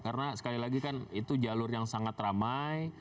karena sekali lagi kan itu jalur yang sangat ramai